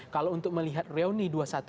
kalau untuk melihat reuni dua ratus dua belas